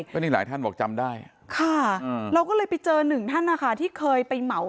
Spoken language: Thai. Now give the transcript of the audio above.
ก็นี่หลายท่านบอกจำได้ค่ะเราก็เลยไปเจอหนึ่งท่านนะคะที่เคยไปเหมา